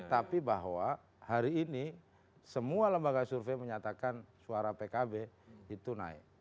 tapi bahwa hari ini semua lembaga survei menyatakan suara pkb itu naik